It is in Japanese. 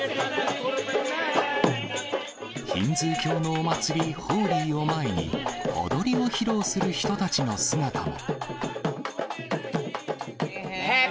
ヒンズー教のお祭り、ホーリーを前に、踊りを披露する人たちの姿も。